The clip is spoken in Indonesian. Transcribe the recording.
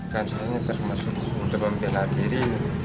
kan saya ini termasuk untuk membela diri